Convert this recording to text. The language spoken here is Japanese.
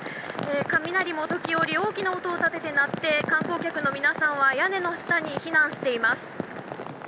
雷も時折大きな音を立てて鳴って観光客の皆さんは屋根の下に避難しています。